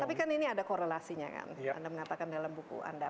tapi kan ini ada korelasinya kan anda mengatakan dalam buku anda